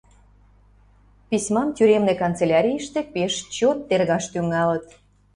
Письмам тюремный канцелярийыште пеш чот тергаш тӱҥалыт.